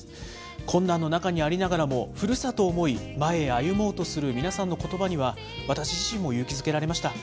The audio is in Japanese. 困難の中にありながらも、ふるさとを思い、前へ歩もうとする皆さんのことばには、私自身も勇気づけられました。